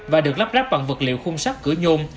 và được lắp ráp bằng vật liệu khung sắt cửa nhôm